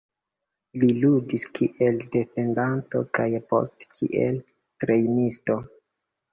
Li ludis kiel defendanto kaj poste kiel trejnisto.